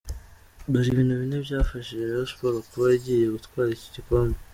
Dore ibintu bine byafashije Rayon Sports kuba igiye gutwara iki gikombe.